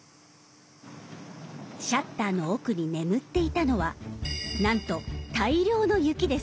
シャッターの奥に眠っていたのはなんと大量の雪です。